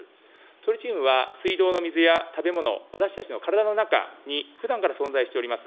トリチウムは水道の水や食べ物、私たちの体の中にふだんから存在しております。